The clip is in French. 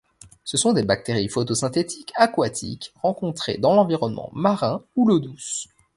Ce sont des bactéries photosynthétiques aquatiques, rencontrées dans l'environnement marin ou l'eau douce.